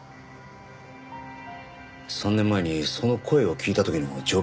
３年前にその声を聞いた時の状況は？